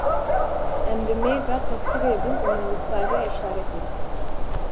Em li mêrga qesirê bûn û me guhdariya îşaretê dikir.